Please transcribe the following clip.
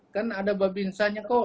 kan ada babinsanya kok